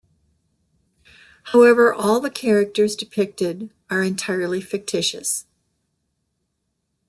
However, all the characters depicted are entirely fictitious.